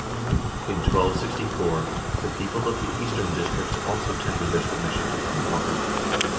1 In 1264 the people of the eastern districts also tendered their submission to King Haakon.